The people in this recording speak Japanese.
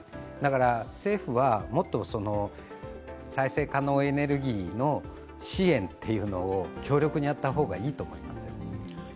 政府はもっと再生可能エネルギーの支援を強力にやった方がいいと思います。